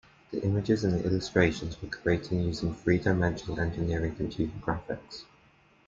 The images in the illustrations were created using three-dimensional, engineering computer graphics.